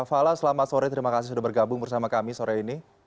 fala selamat sore terima kasih sudah bergabung bersama kami sore ini